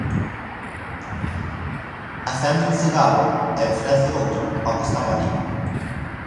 Acende un cigarro e ofrece outro ao que estaba alí.